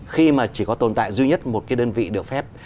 khi mà chỉ có tồn tại duy nhất một cái đơn vị được phép